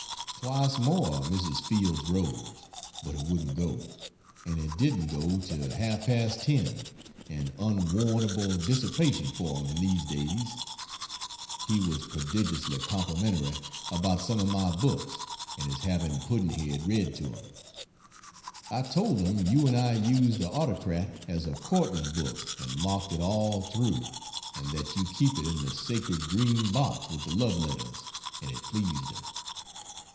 Twice more Mrs. Fields rose, but he wouldn't go and he didn't go till half past 10 an unwarrantable dissipation for him in these days. He was prodigiously complimentary about some of my books, and is having Pudd'nhead read to him. I told him you and I used the Autocrat as a courting book and marked it all through, and that you keep it in the sacred green box with the love letters, and it pleased him.